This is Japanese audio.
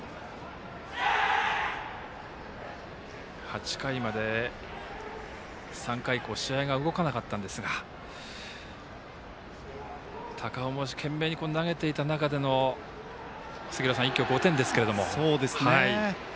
８回まで３回以降試合が動かなかったんですが高尾も懸命に投げていた中での一挙、５点ですけれども。